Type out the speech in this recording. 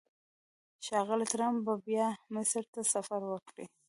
ښاغلی ټرمپ به بیا مصر ته سفر وکړي.